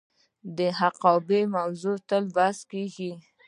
د حقابې موضوع تل بحث کیږي.